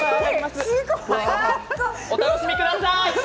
お楽しみください。